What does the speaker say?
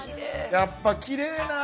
やっぱきれいなあ。